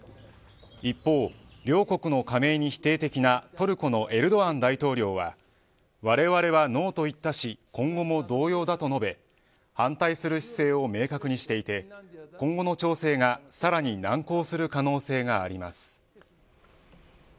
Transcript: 一方、両国の加盟に否定的なトルコのエルドアン大統領はわれわれはノーと言ったし今後も同様だと述べ反対する姿勢を明確にしていて今後の調整がさらに難航する可能性があります。